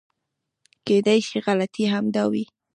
کېدای شي غلطي همدا وي .